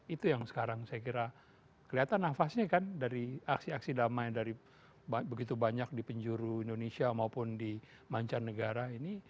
itu yang sekarang saya kira kelihatan nafasnya kan dari aksi aksi damai dari begitu banyak di penjuru indonesia maupun di mancanegara ini